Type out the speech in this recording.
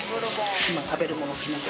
今食べるもの決めて。